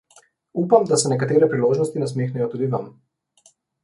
Upam, da se nekatere priložnosti nasmehnejo tudi Vam.